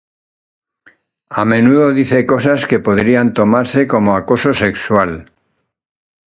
A menudo dice cosas que podrían tomarse como acoso sexual.